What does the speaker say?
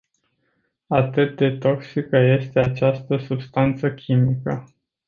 Atât de toxică este această substanță chimică.